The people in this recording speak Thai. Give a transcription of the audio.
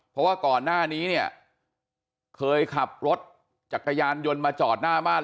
เพราะว่าก่อนหน้านี้เนี่ยเคยขับรถจักรยานยนต์มาจอดหน้าบ้าน